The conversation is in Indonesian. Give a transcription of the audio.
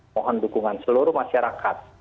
mohon dukungan seluruh masyarakat